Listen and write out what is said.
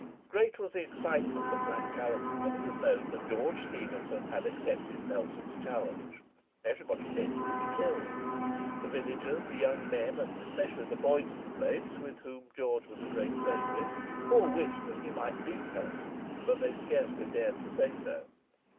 Great was the excitement at Black Callerton when it was known that George Stephenson had accepted Nelson's challenge. Everybody said he would be killed. The villagers, the young men, and especially the boys of the place, with whom George was a great favourite, all wished that he might beat Nelson, but they scarcely dared to say so.